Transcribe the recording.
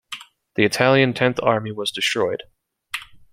The Italian Tenth Army was destroyed.